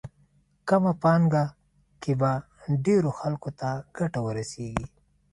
کمه پانګه کې به ډېرو خلکو ته ګټه ورسېږي.